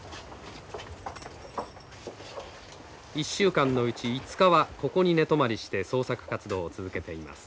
１週間のうち５日はここに寝泊まりして創作活動を続けています。